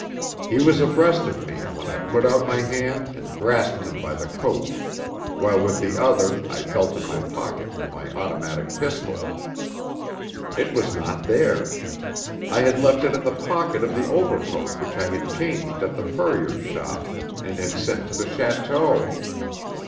He was abreast of me when I put out my hand and grasped him by the coat, while with the other I felt in my pocket for my automatic pistol. It was not there. I had left it in the pocket of the overcoat which I had changed at the furrier's shop and had sent to the château.